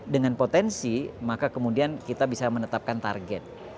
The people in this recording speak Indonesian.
dengan potensi maka kemudian kita bisa menetapkan target